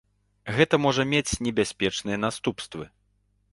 Гэта можа мець небяспечныя наступствы.